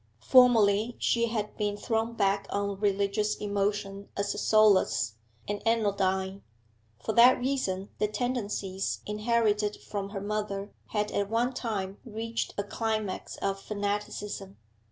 Formerly she had been thrown back on religious emotion as a solace, an anodyne; for that reason the tendencies inherited from her mother had at one time reached a climax of fanaticism.